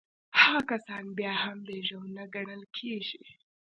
هغه کسان بيا هم پيژو نه ګڼل کېږي.